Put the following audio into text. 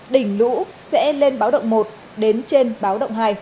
đỉnh lũ sẽ lên báo động một đến trên báo động hai